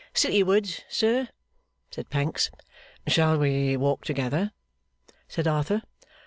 'Citywards, sir,' said Pancks. 'Shall we walk together?' said Arthur.